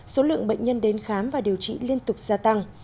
số lượng bệnh nhân đến khám và điều trị liên tục gia tăng